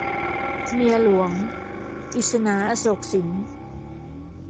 เมียหลวง - กฤษณา อโศกสิน